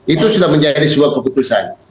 itu sudah menjadi sebuah keputusan